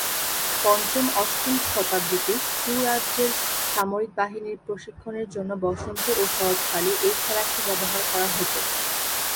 পঞ্চম-অষ্টম শতাব্দীতে 'চু' রাজ্যর সামরিক বাহিনীর প্রশিক্ষণের জন্য বসন্ত ও শরৎ কালে এই খেলাকে ব্যবহার করা হত।